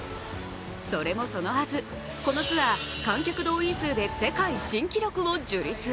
それもそのはず、このツアー、観客動員数で世界新記録を樹立。